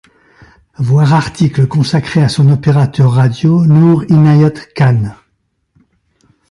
Voir article consacré à son opérateur radio Noor Inayat Khan.